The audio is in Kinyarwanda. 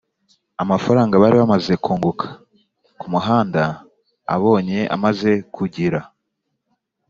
amafaranga bari bamaze kunguka, Kamuhanda abonye amaze kugira